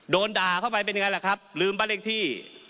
โดนด่าเข้าไปเป็นอย่างไรแหละครับลืมบ้านอีกที่